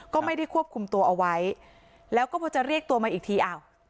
ก็ไม่ได้ควบคุมตัวเอาไว้แล้วก็พอจะเรียกตัวมาอีกทีอ้าว